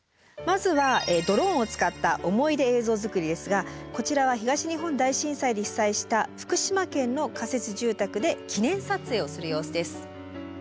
まずはドローンを使った思い出映像作りですがこちらは東日本大震災で被災した福島県の仮設住宅で記念撮影をする様子です。